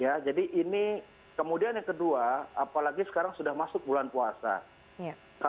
ya jadi ini kemudian yang kedua apalagi sekarang sudah masuk bulan puasa